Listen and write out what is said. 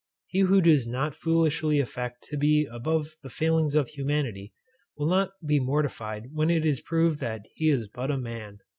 He who does not foolishly affect to be above the failings of humanity, will not be mortified when it is proved that he is but a man.